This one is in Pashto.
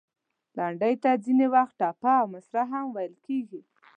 لنډۍ ته ځینې وخت، ټپه او مصره هم ویل کیږي.